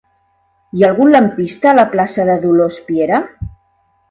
Hi ha algun lampista a la plaça de Dolors Piera?